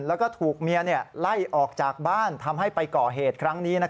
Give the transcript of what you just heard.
แล้วก็ถูกเมียไล่ออกจากบ้านทำให้ไปก่อเหตุครั้งนี้